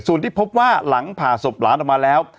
ส่วนที่พบว่าหลังผ่าศพหลานออกมาแล้ว